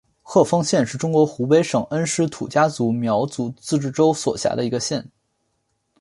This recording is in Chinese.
鹤峰县是中国湖北省恩施土家族苗族自治州所辖的一个县。